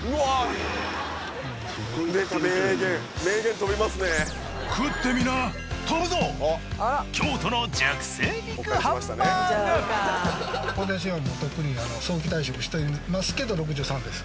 とっくに早期退職してますけど６３です。